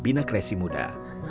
bina kreasi muda